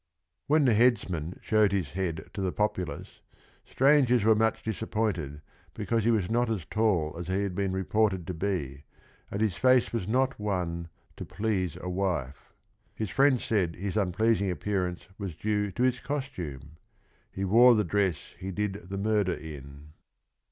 When the headsman showed his head to the populace, strangers were much disappointed be cause he was not as tall as he had been reported to be, and his face was not one " to please a wife." His friends said his unpleasing appearance was due to his costume :—" He wore the dress he did the murder in."